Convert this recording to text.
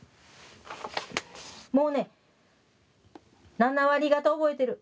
もうね７割方覚えてる。